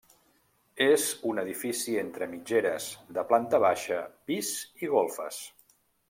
És un edifici entre mitgeres, de planta baixa, pis i golfes.